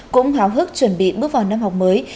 cũng háo hức chuẩn bị bước vào năm học mới